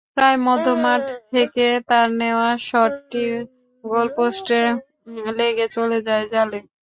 প্রায় মধ্যমাঠ থেকে তাঁর নেওয়া শটটি গোলপোস্টে লেগে চলে যায় জালে।